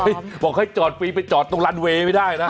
บอกให้จอดฟรีไปจอดตรงลันเวย์ไม่ได้นะ